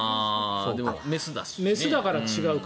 でも雌だから違うか。